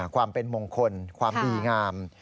ความเป็นมงคลความดีงาม